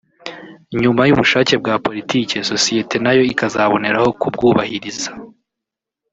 nyuma y’ubushake bwa politiki sosiyete nayo ikazaboneraho kubwubahiriza